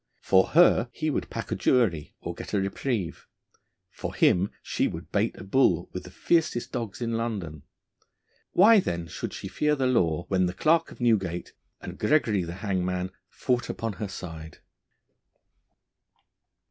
For her he would pack a jury or get a reprieve; for him she would bait a bull with the fiercest dogs in London. Why then should she fear the law, when the clerk of Newgate and Gregory the Hangman fought upon her side?